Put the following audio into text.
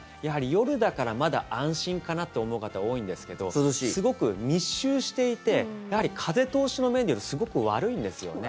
夜だからまだ安心かなと思う方、多いんですけどすごく密集していてやはり風通しの面でいうとすごく悪いんですよね。